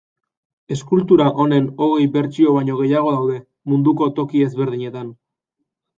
Eskultura honen hogei bertsio baino gehiago daude munduko toki ezberdinetan.